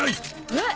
えっ？